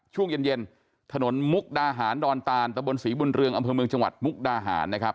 ช่วงเย็นถนนมุกดาหารดอนตานตะบนศรีบุญเรืองอำเภอเมืองจังหวัดมุกดาหารนะครับ